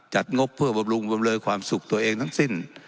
งบเพื่อบำรุงบำเนยความสุขตัวเองทั้งสิ้น